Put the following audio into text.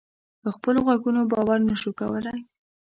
په خپلو غوږونو باور نه شو کولای.